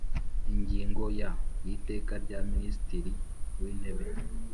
Ingingo ya y Iteka rya Minisitiri wintebe